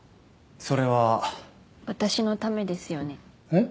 それは私のためですよねえっ？